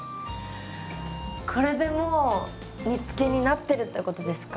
これでもう煮つけになってるってことですか？